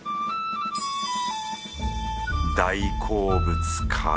大好物から